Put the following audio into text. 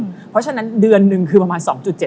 เพราะฉะนั้นเดือนหนึ่งคือประมาณ๒๗